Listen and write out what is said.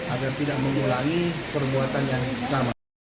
agar tidak mengulangi perbuatan yang sama